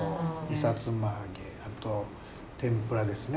さつま揚げあと天ぷらですね。